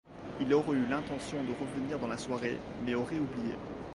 Il aurait eu l'intention de revenir dans la soirée, mais aurait oublié.